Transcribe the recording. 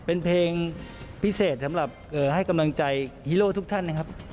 เป็นเพลงพิเศษสำหรับให้กำลังใจฮีโร่ทุกท่านนะครับ